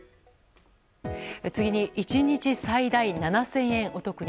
次に１日最大７０００円お得に。